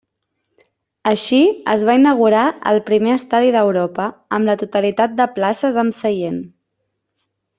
Així es va inaugurar el primer estadi d'Europa amb la totalitat de places amb seient.